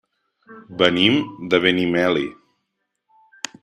Venim de Benimeli.